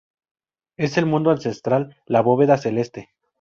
Es el mundo ancestral, la bóveda celeste.